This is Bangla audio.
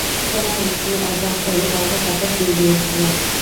তোমার স্ত্রীর অজান্তে তাকে গর্ভপাতের পিল দিয়েছিলে।